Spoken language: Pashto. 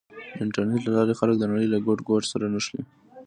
د انټرنېټ له لارې خلک د نړۍ له ګوټ ګوټ سره نښلي.